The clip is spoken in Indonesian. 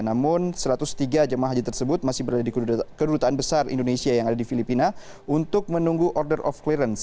namun satu ratus tiga jemaah haji tersebut masih berada di kedudukan besar indonesia yang ada di filipina untuk menunggu order of clearance